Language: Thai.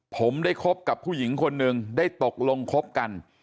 ผมได้คบกับผู้หญิงคนหนึ่งได้ตกลงคบกัน